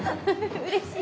うれしい。